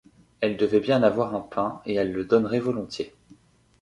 Elle devait bien avoir un pain et elle le donnerait volontiers.